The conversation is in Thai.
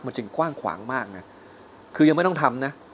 มันจึงกว้างขวางมากไงคือยังไม่ต้องทำนะ